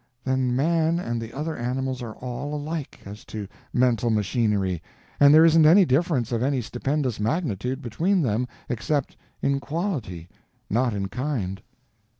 Then man and the other animals are all alike, as to mental machinery, and there isn't any difference of any stupendous magnitude between them, except in quality, not in kind.